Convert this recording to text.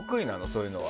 そういうのは。